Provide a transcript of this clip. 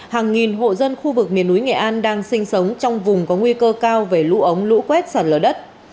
hàng nghìn hộ dân khu vực miền núi nghệ an đang sinh sống trong vùng có nguy cơ cao về lũ ống lũ quét sạt lở đất